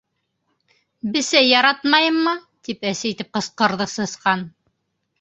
—Бесәй яратмайыммы? —тип әсе итеп ҡысҡырҙы Сысҡан.